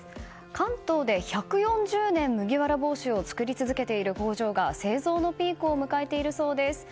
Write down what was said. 関東で１４０年、麦わら帽子を作り続けている工場が製造のピークを迎えているそうです。